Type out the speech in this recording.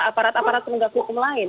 aparat aparat penegak hukum lain